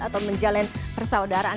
atau menjalin persaudaraan